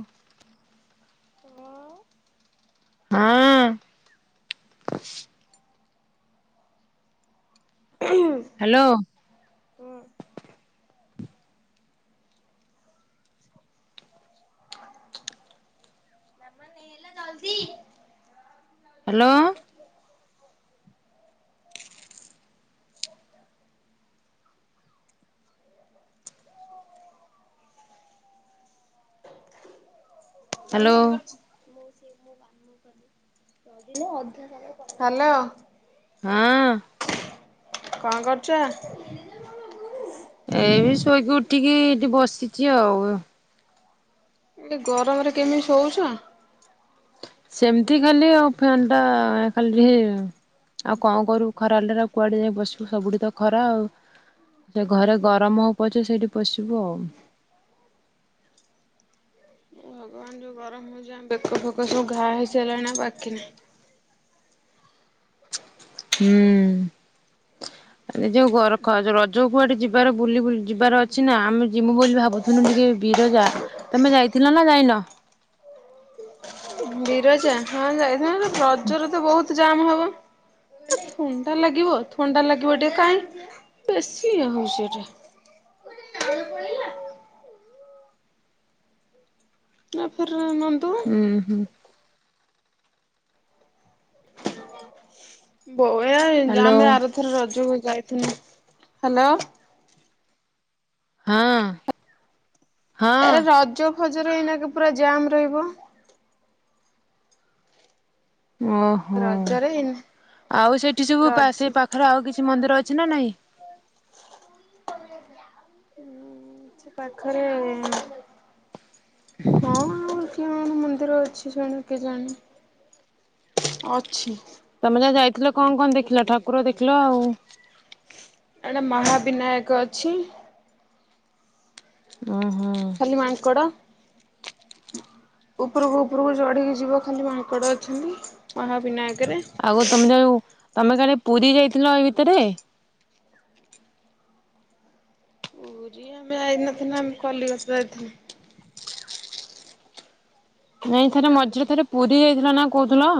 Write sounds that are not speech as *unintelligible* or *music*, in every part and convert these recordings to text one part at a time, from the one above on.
ଓ ହଁ ହଁ। ହୁଁ। ହ୍ୟାଲୋ। ହୁଁ ଜଲଦି ହ୍ୟାଲୋ। *unintelligible* *unintelligible* *unintelligible* ହ୍ୟାଲୋ *unintelligible* ମୁଁ ସେ କାମ କରିନି। ହ୍ୟାଲୋ। ହଁ କଣ କରୁଛ। ଏଇ ଶୋଇକି ଉଠିକି ଏଠି ବସିଛି ଆଉ। ଏଇ ଗରମରେ କେମିତି ଶଉଛ। ସେମିତି ଖାଲି ଆଉ ଫ୍ୟନ୍ ଟା ଖାଲି ଟିକେ ଆଉ କଣ କରିବୁ ଖରା ହେଲେ କୁଆଡେ ଯାଇ ବସିବୁ ସବୁଠି ତ ଖରା ଆଉ। ସେ ଘରେ ଗରମ ହଉ ପଛେ ସେଇଠି ପଶିବୁ ଆଉ। ଭଗବାନ ଯୋଉ ଗରମ ହଉଛି ଆମ ବେକ ଫେକ ସବୁ ଘା ହେଇସାରିଲଣି ଆଉ ବାକି ନାହିଁ। ହୁଁ। ହ *unintelligible* ଯୋଉ ଘର ଖ ରଜ କୁଆଡେ ଯିବାର ବୁଲି ବୁଲି ଯିବାର ଅଛି ନା ଆମେ ଯିମୁ ବୋଲି ଭାବୁଛୁ। ନୁ ଟିକେ ବିରଜା ତମେ ଯାଇଥିଲ ନା ଯାଇନ? ବିରଜା ହଁ ଯାଇଥାନ୍ତୁ ରଜରେ ତ ବହୁତ ଜାମ ହବ। ଏଟା ଥଣ୍ଡା ଲାଗିବ ଥଣ୍ଡା ଲାଗିବ ଟିକେ କାହିଁ ବେଶୀ ଇଏ ହଉଛି ଏଟା। ଆପୁରୀରୁ ଅନାନ୍ତୁ ହୁଁ ହୁଁ। ବଢିଆ ହେଇଚି ହ୍ୟାଲୋ ଆମେ ଆରଥର ରଜକୁ ଯାଇଥିଲୁ ହ୍ୟାଲୋ। ହଁ। ଆରେ ହଁ ରଜ ଫଜରେ ଏଇନା କେ ପୁରା ଜାମ୍ ରହିବ। ଓହୋ ରଜରେ ଆଉ ସେଇଠି ସବୁ ପା ରଜ ସେଇ ପାଖରେ ଆଉ କିଛି ମନ୍ଦିର ଅଛି ନା ନାହିଁ? ସେ ପାଖରେ ହଁ। କଣ ମନ୍ଦିର ଅଛି ଜାଣି କେଜାଣି ଅଛି। ତମେ ଯା ଯାଇଥିଲ କଣ କଣ ଦେଖିଲ? ଠାକୁର ଦେଖିଲ ଆଉ ଏଟା ମହାବିନାୟକ ଅଛି। ଅ ହଁ। ଖାଲି ମାଙ୍କଡ଼। ଉପରକୁ ଉପରକୁ ଚଢ଼ିକି ଯିବ ଖାଲି ମାଙ୍କଡ଼ ଅଛନ୍ତି ମହାବିନାୟକରେ। ଆଗୋ ତମେ ଯେଉ ତୁମେ କାରେ ପୁରୀ ଯାଇଥିଲ ଏଇ ଭିତରେ? ପୁରୀ ଆମେ ଆଇନଥିଲୁ ଆମେ କଲିକତା ଆଇଥିଲୁ। ନାଇଁ ଥରେ ମଝିରେ ଥରେ ପୁରୀ ଯାଇଥିଲା ନା କହୁଥିଲ।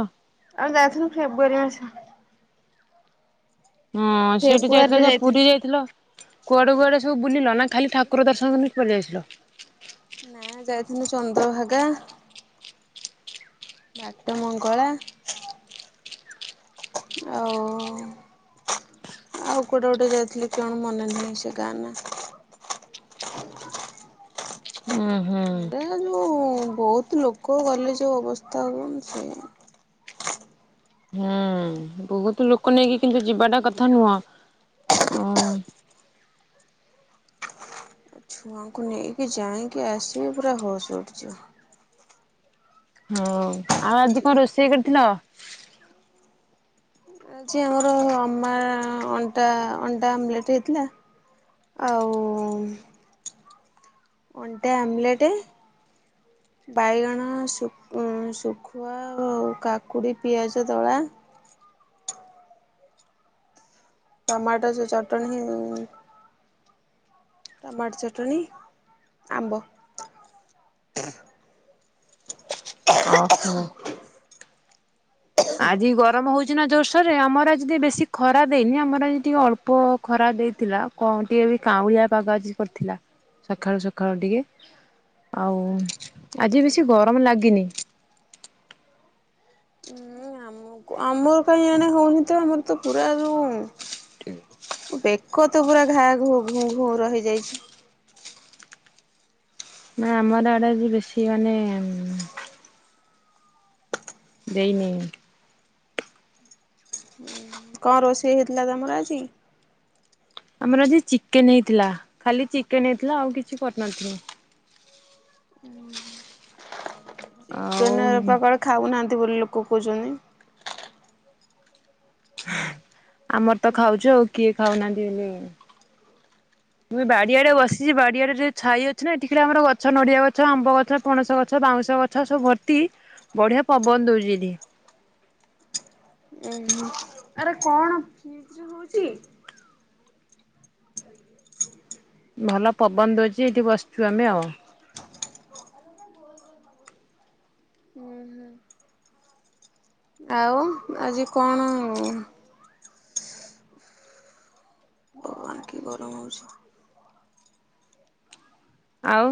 ଆଉ ଯାଇଥିଲୁ ଫେବୃଆରି ମାସ। ହଁ ସେଠି ଯାଇଥିଲ ଫେବୃଆରୀରେ ଯା ଯାଇଥିଲୁ ପୁରୀ ଯାଇଥିଲ। କୁଆଡେ କୁଆଡେ ସବୁ ବୁଲିଲ ନା ଖାଲି ଠାକୁର ଦର୍ଶନ କନିକ ପଲିଆସିଲ? ନା ଯାଇଥିନୁ ଚନ୍ଦ୍ରଭାଗା। ବାଟ ମଙ୍ଗଳା। ଆଉ ଆଉ କୁଆଡ଼େ ଗୋଟେ ଯାଇଥିଲି କଣ ମନେ ନାହିଁ ସେ ଗାଁ ନା। ଉଁ ହୁଁ। ଏଡେ ଯୋଉ ବହୁତ ଲୋକ ଗଲେ ଯୋଉ ଅବସ୍ଥା ହୁଅ ମୁଁ ସେୟା। ହୁଁ ବହୁତ ଲୋକ ନେଇକି କିନ୍ତୁ ଯିବାଟା କଥା ନୁହଁ ଓ ଛୁଆଙ୍କୁ ନେଇକି ଯାଇକି ଆସିବେ ପୁରା ହୋସ ଉଡ଼ିଯିବ। ହଁଉ ଆଉ ଆଜି କଣ ରୋଷେଇ କରିଥିଲ? ଆଜି ଆମର ଅମା ଅଣ୍ଡା ଅଣ୍ଡା ଆମ୍ଲେଟ୍ ହେଇଥିଲା। ଆଉ ଅଣ୍ଡା ଆମ୍ଲେଟ ବାଇଗଣ ସୁ ଉଁ ଶୁଖୁଆ ଆଉ କାକୁଡ଼ି ପିଆଜ ଦଳା ଟମାଟ ସେ ଚଟଣି ହି ଟମାଟ ଚଟଣି ଆମ୍ବ। ଅହୋ। ଆଜି ଗରମ ହଉଛିି ନା ଜୋର୍ଶ୍ ସରେ ଆମର ଆଜି ଟିକେ ବେଶୀ ଖରା ଦେଇନି ଆମର ଆଜି ଟିକେ ଅଳ୍ପ ଖରା ଦେଇଥିଲା। କଣ ଟିକେ ବି କାଉଁଳିଆ ପାଗ ଆଜି କରିଥିଲା ସଖାଳୁ ସଖାଳୁ ଟିକେ। ଆଉ ଆଜି ବେଶୀ ଗରମ ଲାଗିନି। ଉଁ ଆମକୁ ଆମ ପାଣି ଆଣି ହଉନିତ ଆମର ତ ପୁରା ରୁମ ମୋ ବେକ ତ ପୁରା ଘା ଘୁ ଘୁଁ ଘୁଁ ର ହେଇଯାଇଛି। ନା ଆମର ଆଡେ ଆଜି ବେଶୀ ମାନେ ଦେଇନେଇ କଣ ରୋଷେଇ ହେଇଥିଲା ତମର ଆଜି? ଆମର ଆଜି ଚିକେନ୍ ହେଇଥିଲା ଖାଲି ଚିକେନ୍ ହେଇଥିଲା ଆଉ କିଛି କରିନଥିନୁ। ଉଁ ହୁଁ ଆଉ ଚିକେନରେ ପା କାଳେ ଖାଉନାହାନ୍ତି ବୋଲି ଲୋକ କହୁଛନ୍ତି। ଆମର ତ ଖାଉଚୁ ଆଉ କିଏ ଖାଉନାହାନ୍ତି ବୋଲି *inaudible* ମୁଁ ଏଇ ବାଡିଆଡେ ବସିଚି ବାଡିଆଡେ ଯୋଉ ଛାଇ ଅଛି ନା ଏଠି ଖାଲି ଆମର ଗଛ ନଡିଆ ଗଛ, ଆମ୍ବ ଗଛ, ପଣସ ଗଛ, ବାଉଁଶ ଗ ଗଛ ସବୁ ଭର୍ତ୍ତି ବଢିଆ ପବନ ଦଉଚି ଏଠି। ଉଁ ହୁଁ। ଆରେ କଣ *inaudible* ହଉଚି। ଭଲ ପବନ ଦଉଚି ଏଇଠି ବସିଛୁ ଆମେ ଆଉ। ହୁଁ ହୁଁ ଆଉ ଆଜି କଣ? କିି ଗରମ ହଉଛି। ଆଉ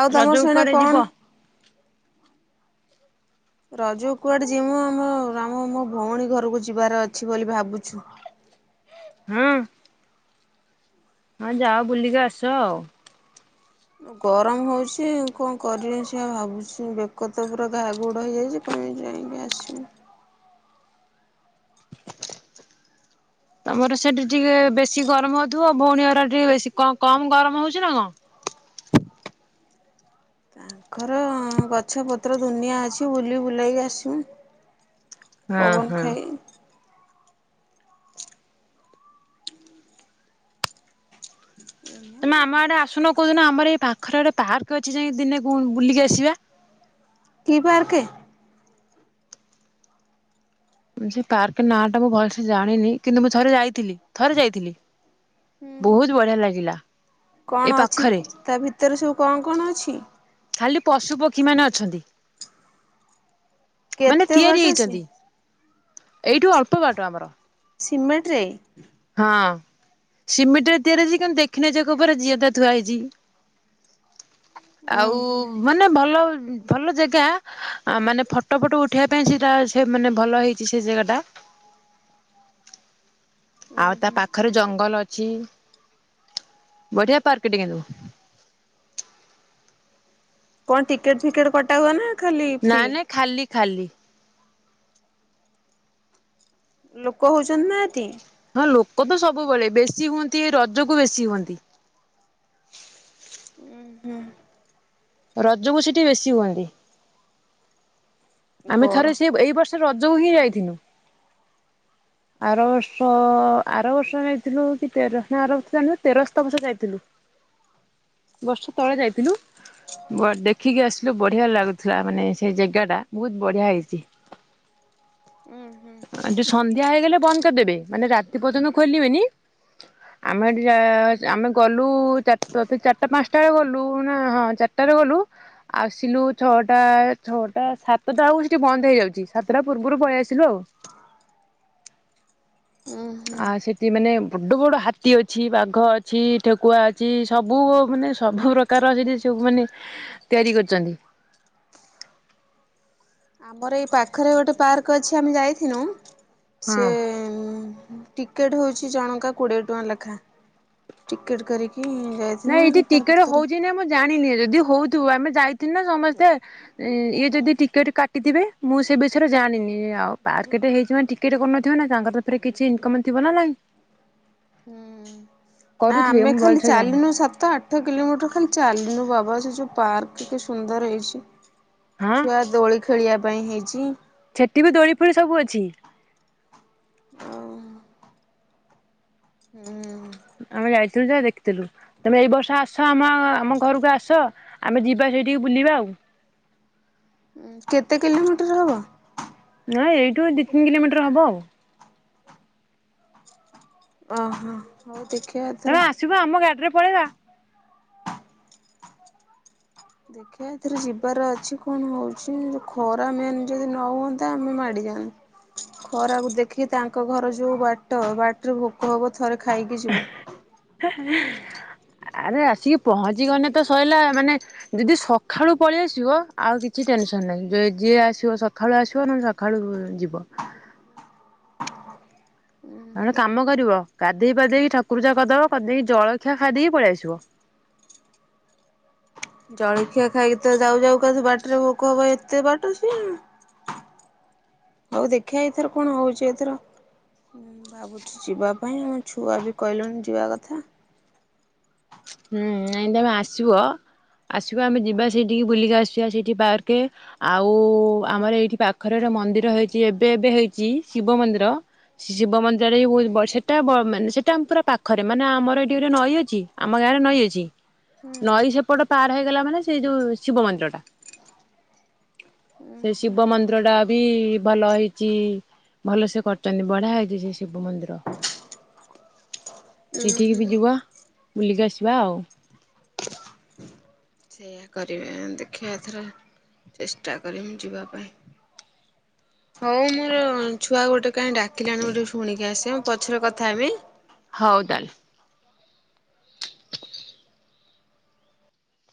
ଆଉ ତମର ରଜକୁ ସିଆଡେ କୁଆଡେ ଯିବ କଣ ରଜକୁ କୁଆଡେ ଯିମୁ ଆମ ଆମ ମୋ ଭଉଣୀ ଘରକୁ ଯିବାର ଅଛି ବୋଲି ଭାବୁଛୁ। ହୁଁ। ହଁ ଯାଅ ବୁଲିକି ଆସ ଆଉ। ଗରମ ହଉଛି କଣ କରିବି ସେଇଆ ଭାବୁଛି ବେକ ତ ପୁରା ଘା ଘୁଡ ହେଇଯାଇଚି। ପୁଣି ଯାଇଁକି ଆସିବି। ତମର ସେଇଠି ଟିକେ ବେଶୀ ଗରମ ହୋଉଥିବ ଭଉଣୀ ଘର ଟିକେ ବେଶୀ କମ୍ କମ୍ ଗରମ ହୋଉଚି ନା କଣ? ତାଙ୍କର ଗଛପତ୍ର ଦୁନିଆ ଅଛି ବୁଲି ବୁଲାକି ଆସିମୁ। ହଁ ପବନ ହଁ ଖାଇ *inaudible* ତମେ ଆମ ଆଡେ ଆସୁନ କୋଉଦିନ ଆମର ଏଇ ପାଖରେ ଗୋଟେ ପାର୍କ ଅଛି ଯାଇକି ଦିନେ ବୁ ବୁଲିକି ଆସିବା। କି ପାର୍କେ? ସେ ପାର୍କେ ନାଁ ଟା ମୁଁ ଭଲସେ ଜାଣିନି କିନ୍ତୁ ମୁଁ ଥରେ ଯାଇଥିଲି ଥରେ ଯାଇଥିଲି। ବହୁତ ବଢିଆ ଲାଗିଲା। ଏ କଣ ଅଛି ପାଖରେ ତା ଭିତରେ ସବୁ କଣ କଣ ଅଛି? ଖାଲି ପଶୁ ପକ୍ଷୀ ମାନେ ଅଛନ୍ତି। ମାନେ କେତେ ବାଟ ତିଆରି ସେ ହେଇଚନ୍ତି, ଏଇଠୁ ଅଳ୍ପ ବାଟ ଆମର। ସିମେଣ୍ଟ ରେ? ହଁ ସିମେଣ୍ଟରେ ତିଆରି ହେଇଚି କିନ୍ତୁ ଦେଖିନେ ଯିଏ କହିବ ଏରା ଜିଅଁତା ଥୁଆ ହେଇଚି। ଉଁ ଆଉ ମାନେ ଭଲ ଭଲ ଜେଗା ଆ ମାନେ ଫଟୋ ଫଟୋ ଉଠେଇବା ପାଇଁ ସେଇଟା ସେ ମାନେ ଭଲ ହେଇଚି ସେ ଜେଗା ଟା। ଆଉ ତା ହୁଁ ପାଖରେ ଜଙ୍ଗଲ ଅଛି, ବଢିଆ ପାର୍କ ଟେ କିିନ୍ତୁ। କଣ ଟିକେଟ୍ ଫିକେଟ୍ କଟା ହୁଏ ନା? ଖାଲି ନା ଫ୍ରି ନାଇଁ ଖାଲି ଖାଲି। ଲୋକ ହୋଉଚନ୍ତି ନା *inaudible* ହଁ ଲୋକ ତ ସବୁବେଳେ ବେଶୀ ହୁଅନ୍ତି ଏଇ ରଜ କୁ ବେଶୀ ହୁଅନ୍ତି। ଉଁ ହୁଁ। ରଜକୁ ସେଇଠି ବେଶୀ ହୁଅନ୍ତି। ଆମେ ଗର ଥରେ ସେ ଏଇ ବର୍ଷ ରଜକୁ ହିଁ ଯାଇଥିନୁ। ଆର ବର୍ଷ ଆର ବର୍ଷ ଯାଇଥିଲୁ କି ତେର ନା ଆର ବର୍ଷ ଜାଇନୁ ତେରଶ୍ତ ବର୍ଷ ଯାଇଥିଲୁ। ବର୍ଷ ତଳେ ଯାଇଥିଲୁ ବ ଦେଖିକି ଆସିଲୁ ବଢିଆ ଲାଗୁଥିଲା ମାନେ ସେ ଜେଗା ଟା। ବହୁତ ବଢିଆ ହେଇଚି। ଉଁ ହୁଁ। ଏଠି ସନ୍ଧ୍ୟା ହେଇଗଲେ ବନ୍ଦ କରିଦେବେ ମାନେ ରାତି ପର୍ଯ୍ୟନ୍ତ ଖୋଲିବେନି। ଆମେ ଏଠି ଯା ଆମେ ଗଲୁ ଚାରିଟା ବୋଧେ ଚାରିଟା ପାଞ୍ଚଟା ବେଳେ ଗଲୁ ନା ହଁ ଚାର ସାତଟାରେ ଗଲୁ ଆସିଲୁ ଛଅଟା ଛଅଟା ସାତ ସାତ ଟା ବେଳକୁ ସେଠି ବନ୍ଦ ହେଇଯାଉଛି ସାତଟା ପୂର୍ବରୁ ପଳେଇ ଆସିଲୁ ଆଉ। ଆ ସେଠି ମାନେ ବଡ଼ ବଡ ହାତୀ ଅଛି ବାଘ ଅଛି ଠେକୁଆ ଅଛି ସବୁ ମାନେ ସବୁ ର କାର ସେଠି ସବୁ ମାନେ ତିଆରି କରିଛନ୍ତି ଆମର ଏଇ ପାଖରେ ଗୋଟେ ପାର୍କ ଅଛି ଆମେ ଯାଇଥିନୁ ହଁ। ସେ ଟିକେଟ ହଉଛି ଜଣଙ୍କା କୋଡିଏ ଟଙ୍କା ଲେଖା ଟିକେଟ କରିକି ନାଇଁ ଯାଇଥିଲୁ ଏଇଠି ତା ଟିକେଟ ଭିତରେ ହଉଛି ନାଇଁ ମୁଁ ଜାଣିନି ଯଦି ହଉଥିବୁ ଆମେ ଯାଇଥିଲୁ ନା ସମସ୍ତେ ଇଏ ଯଦି ଟିକେଟ କାଟିଥିବେ ମୁଁ ସେ ବିଷୟରେ ଜାଣିନି ଆଉ ପାର୍କଟେ ହେଇଚି ଟିକେଟ କର ନଥିବେ ନା ତାଙ୍କର ପାଖରେ କିଛି ଇନକମ୍ ଥିବନା ନାଇଁ ହୁଁ ନା କରୁଥିବେ ଆମେ ମୁଁ ଖାଲି ଭଲସେ ଜାଣିନି ଚାଲିନୁ ସାତ ଆ ଆଠ କିଲୋମିଟର ଖାଲି ଚାଲିନୁ ବାବା ସେ ଯୋଉ ପାର୍କ କେତେ ସୁନ୍ଦର ହେଇଛି ହଁ ଛୁଆ ଦୋଳି ଖେଳିବା ପାଇଁ ହେଇଛି ଛେଟି ବି ଦୋଳି ଫୋଳି ସବୁ ଅଛି ଓ *inaudible* ହୁଁ ଆମେ ଯାଇଥିଲୁ ଯା ଦେଖିଥିଲୁ ତମେ ଏଇ ବର୍ଷ ଆସ ଆମ ଆମ ଘରକୁ ଆସ ଆମେ ଯିବା ସେଇଠିକି ବୁଲିବା ଆଉ କେତେ କିଲୋମିଟର ହବ ନାଇଁ ଏଇଠୁ ଦିଇ ତିନି କିଲୋମିଟର ହବ ଆଉ ଆ ହୋ ଓ ଦେଖି ଆ ଏଥର ଥିବ ଆମ ଗାଡ଼ିରେ ପଳେଇବା ଦେଖ *unintelligible* ଆ ଏଥିରେ ଯିବାର ଅଛି କଣ ହେଉଛି ଖରା ମ୍ୟନ୍ ଯଦି ନ ହୁଅନ୍ତା ଆମେ ମାଡ଼ିଯାଆନ୍ତୁ ଖରାକୁ ଦେଖି ତାଙ୍କ ଘର ଯୋଉ ବାଟ ବାଟରେ ଭୋକ ହବ ଥରେ ଖାଇକି ଯିବୁ ଆରେ ଆସିକି ପହଞ୍ଚି ଗଲେ ତ ସରିଲା ମାନେ ଯଦି ସକାଳୁ ପଳେଇ ଆସିବ ଆଉ କିଛି ଟେନସନ ନାହିଁ ଯ ଯିଏ ଆସିବ ସକାଳୁ ଆସିବ ନହଲେ ଖାଳୁ ଯିବ ନ ହେନେ ହୁଁ କାମ କରିବ ଗାଧେଇ ପାଧେଇକି ଠାକୁର ପୂଜା କରିଦବ କରିଦେଇକି ଜଳଖିଆ ଖାଇ ଦେଇକି ପଳେଇ ଆସିବ ଜଳଖିଆ ଖାଇକି ତ ଯାଉ ଯାଉ କା ବାଟରେ ଭୋକ ହବ ଏତେ ବାଟ ସିଏ ଆଉ ଦେଖିବା ଏଥର କଣ ହଉଛି ଏଥର ଭାବୁଛି ଯିବା ପାଇଁ ମୋ ଛୁଆ ବି କହିଲେଣିି ଯିବା କଥା ହୁଁ ନାଇଁ ତମେ ଆସିବ ଆସିବ ଆମେ ଯିବା ସେଇଠିକି ବୁଲିକି ଆସିବା ସେଇଠି ବାରକେ ଆଉ ଆମର ଏଇଠି ପାଖରେ ମନ୍ଦିର ହେଇଛି ଏବେ ଏବେ ହେଇଛି ଶିବ ମନ୍ଦିର ଶିବ ମନ୍ଦିରରେ ସେଟା ମାନେ ସେଟା ପୁରା ପାଖରେ ମାନେ ଆମର ଏଇଠି ଗୋଟେ ନଈ ଅଛି ଆମ ଗାଁରେ ନଈ ଅଛି ଉଁ ନଈ ସେପଟ ପାର ହେଇଗଲା ମାନେ ସେଇ ଯୋଉ ଶିବ ମନ୍ଦିର ଟା *unintelligible* ସେ ଶିବ ମନ୍ଦିର ଟା ବି ଭଲ ହେଇଛି ଭଲ ସେ କରଛନ୍ତି ବଢିଆ ହେଇଛି ସେ ଶିବ ମନ୍ଦିର *unintelligible* ସେଇଠିକି ବି ହୁଁ ଯିବା ବୁଲିକି ଆସିବା ଆଉ ସେଇଆ କରିବା ଦେଖିବା ଏଥର ଚେଷ୍ଟା କରିମି ଯିବା ପାଇଁ *inaudible* ହଉ ମୋର ଛୁଆ ଗୋଟେ କାଇଁ ଡାକିଲାଣି ମୁଟିକେ ଶୁଣିକି ଆସେ ମୁପଛରେ କଥା ହେମି? ହଉ ତାହେଲେ।